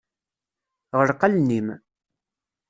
Ɣleq allen-im.